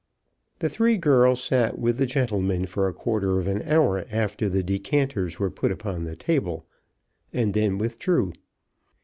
The three girls sat with the gentlemen for a quarter of an hour after the decanters were put upon the table, and then withdrew.